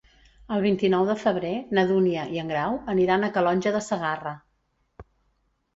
El vint-i-nou de febrer na Dúnia i en Grau aniran a Calonge de Segarra.